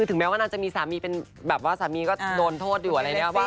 ถึงแม้ว่านางจะมีสามีเป็นสามีก็โดนโทษอยู่อะไร